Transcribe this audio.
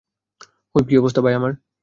Whip, কী অবস্থা, ভাই আমার?